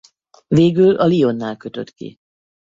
Végül a Lyonnál kötött ki.